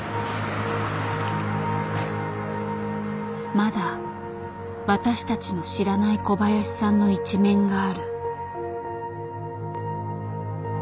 まだ私たちの知らない小林さんの一面がある。